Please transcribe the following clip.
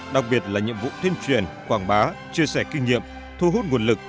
đặc biệt là nhiệm vụ tuyên truyền quảng bá chia sẻ kinh nghiệm thu hút nguồn lực